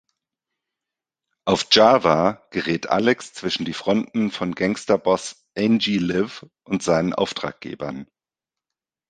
Auf Java gerät Alex zwischen die Fronten von Gangsterboss Angie-Liv und seinen Auftraggebern.